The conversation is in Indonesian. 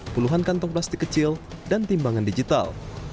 puluhan kantong plastik kecil dan timbangan digital